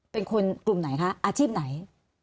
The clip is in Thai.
เป็นคนกลุ่มไหนคะอาชีพไหน